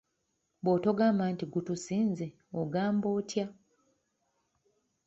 Bw'otogamba nti gutusinze ogamba otya?